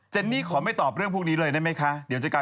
จนมีขอไม่ตอบเรื่องพวกนี้เลยได้ไหมคะ